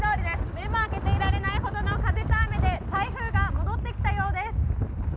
目も開けていられないほどの風と雨で台風が戻ってきたようです。